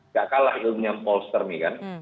gak kalah ilmunya polster nih kan